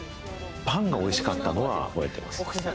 パンが美味しかったのは覚えてます。